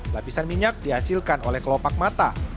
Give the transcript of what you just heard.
lapisan minyak dihasilkan oleh kelopak mata